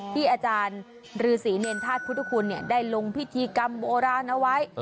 ที่อาจารย์ฤษีเนรธาตุพุทธคุณได้ลงพิธีกรรมโบราณเอาไว้